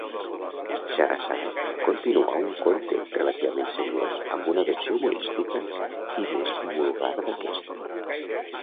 Xahrazad continua un conte relativament seriós amb una versió humorística i més vulgar d'aquest.